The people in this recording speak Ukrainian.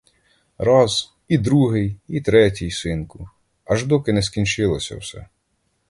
Раз — і другий — і третій, синку, аж доки не скінчилося все.